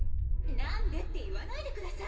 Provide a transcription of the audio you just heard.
何でって言わないで下さい！